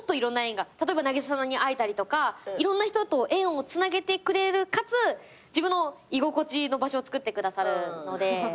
例えば渚さんに会えたりとかいろんな人と縁をつなげてくれるかつ自分の居心地の場所をつくってくださるので。